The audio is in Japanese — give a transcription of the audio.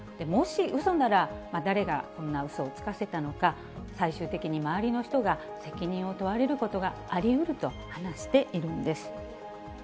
もしうそなら、誰がこんなうそをつかせたのか、最終的に周りの人が責任を問われることがありうると話しているんです。